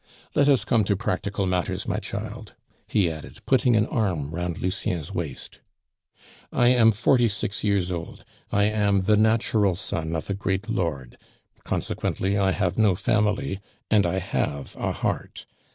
"Let us come to practical matters, my child," he added, putting an arm round Lucien's waist. "I am forty six years old, I am the natural son of a great lord; consequently, I have no family, and I have a heart.